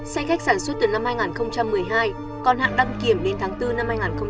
xe khách sản xuất từ năm hai nghìn một mươi hai còn hạn đăng kiểm đến tháng bốn năm hai nghìn một mươi chín